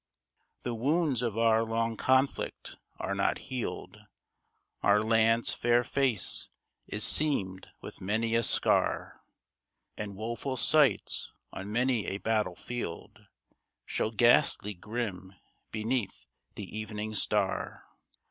The wounds of our long conflict are not healed ; Our land's fair face is seamed with many a scar ; And woeful sights, on many a battle field, Show ghastly grim beneath the evening star.